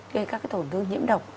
gây ra cái tổn thương nhiễm độc